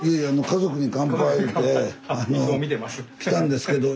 「家族に乾杯」で来たんですけど。